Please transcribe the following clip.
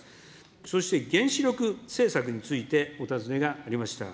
そして原子力政策についてお尋ねがありました。